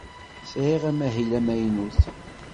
Sɛiɣ amahil amaynut.